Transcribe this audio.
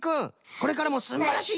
これからもすんばらしい